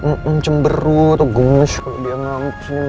nge ngemberu tuh gemes kalau dia ngambek